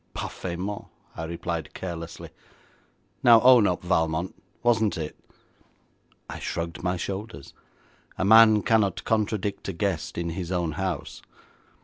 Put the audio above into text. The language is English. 'Parfaitement,' I replied carelessly. 'Now, own up, Valmont, wasn't it?' I shrugged my shoulders. A man cannot contradict a guest in his own house.